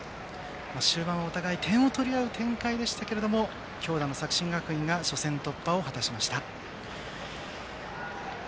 終盤はお互い点を取り合う展開でしたが強打の作新学院が初戦突破を果たしました。